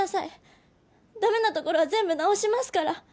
ダメなところは全部直しますから！